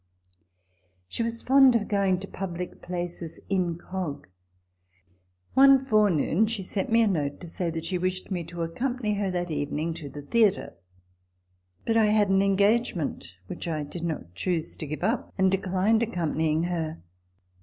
She was fond of going to public places incog. TABLE TALK OF SAMUEL ROGERS 205 One forenoon, she sent me a note to say that she wished me to accompany her that evening to the theatre ; but I had an engagement which I did not choose to give up, and declined accompanying her.